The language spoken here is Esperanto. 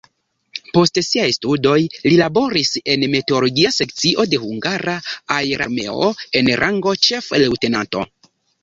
Post siaj studoj li laboris en meteologia sekcio de hungara aerarmeo en rango ĉef-leŭtenanto.